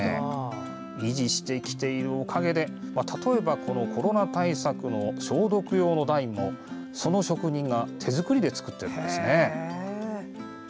維持してきているおかげでこのコロナ対策の消毒用の台もその職人が手作りで作っているんですね。